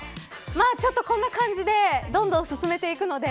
ちょっと、こんな感じでどんどん進めていくので